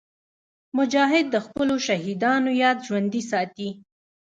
مجاهد د خپلو شهیدانو یاد ژوندي ساتي.